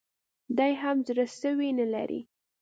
دی هم زړه سوی نه لري